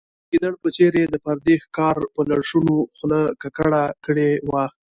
د ګیدړ په څېر یې د پردي ښکار په لړشونو خوله ککړه کړې وه.